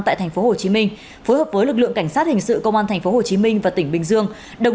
tại tp hồ chí minh phối hợp với lực lượng cảnh sát hình sự công an tp hồ chí minh và tỉnh bình dương